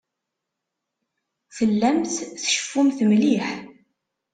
Tellamt tceffumt mliḥ.